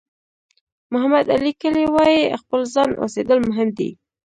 محمد علي کلي وایي خپل ځان اوسېدل مهم دي.